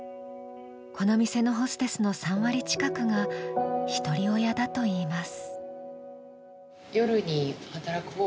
この店のホステスの３割近くがひとり親だといいます。